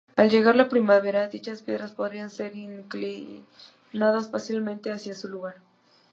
Al llegar la primavera, dichas piedras podrían ser inclinadas fácilmente hacia su lugar.